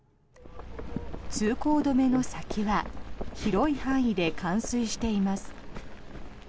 通行止めの先は広い範囲で冠水しています。